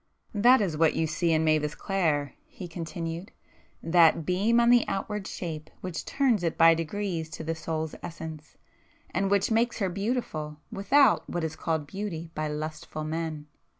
"That is what you see in Mavis Clare,"—he continued—"that 'beam on the outward shape' which 'turns it by degrees to the soul's essence,'—and which makes her beautiful, without what is called beauty by lustful men."